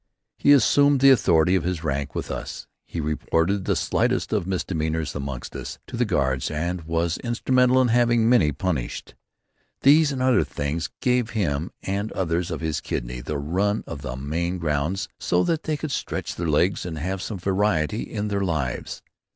He assumed the authority of his rank with us, he reported the slightest of misdemeanours amongst us to the guards and was instrumental in having many punished. These and other things gave him and others of his kidney the run of the main grounds so that they could stretch their legs and have some variety in their lives.